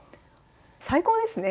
最高ですね。